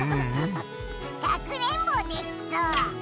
かくれんぼできそう！